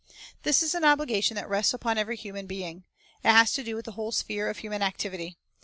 This is an obligation that rests upon every human being. It has to do with the whole sphere of human activity.